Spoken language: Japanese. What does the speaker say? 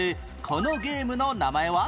このゲームの名前は？